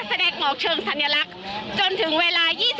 แสดงออกเชิงสัญลักษณ์จนถึงเวลา๒๐